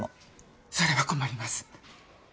それは困ります。